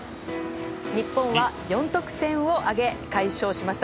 日本は４得点を挙げ、快勝しました。